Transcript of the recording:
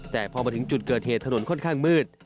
แต่พอมาถึงจุดเกิดเหตุถนนค่อนข้างมืด